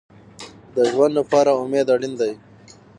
د ژوند لپاره امید اړین دی